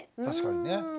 確かにね。